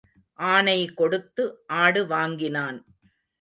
ஆனை கொடுத்து ஆடு வாங்கினான்.